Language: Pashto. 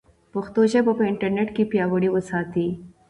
پښتو ژبه په انټرنیټ کې پیاوړې وساتئ.